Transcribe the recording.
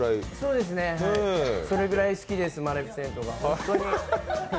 それくらい好きです、「マレフィセント」が。